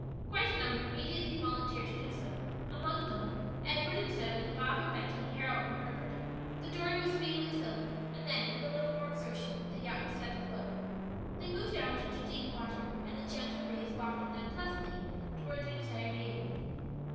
Quite a number immediately volunteered to do so, among them Edward and Zoe, Bob and Betty, Harold and Herbert. The dory was speedily filled, and then, with a little more exertion the yacht was set afloat. They moved out into deep water, and a gentle breeze wafted them pleasantly toward their desired haven.